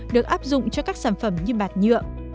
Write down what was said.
được áp dụng cho các sản phẩm như bạt nhựa